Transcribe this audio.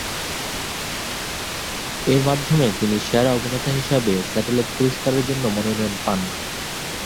এর মাধ্যমে তিনি সেরা অভিনেতা হিসেবে স্যাটেলাইট পুরষ্কারের জন্য মনোনয়ন পান।